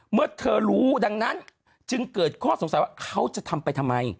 เมื่อเธอรู้ดังนั้นจึงเกิดข้อสงสัยว่าเขาจะทำไปทำไม